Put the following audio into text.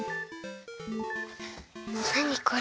なにこれ？